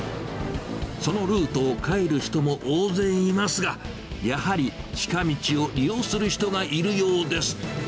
そのルートを帰る人も大勢いますが、やはり近道を利用する人がいるようです。